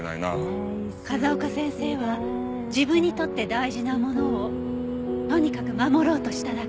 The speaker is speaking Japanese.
風丘先生は自分にとって大事なものをとにかく守ろうとしただけ。